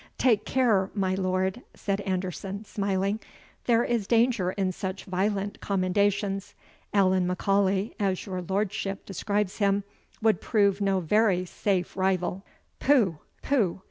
"Take care, my lord," said Anderson, smiling; "there is danger in such violent commendations. Allan M'Aulay, as your lordship describes him, would prove no very safe rival." "Pooh! pooh!"